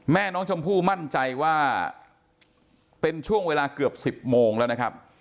แม่น้องชมพู่มั่นใจว่าเป็นช่วงเวลาเกือบ๑๐โมงแล้วนะครับ